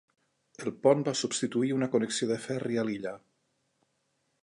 El pont va substituir una connexió de ferri a l'illa.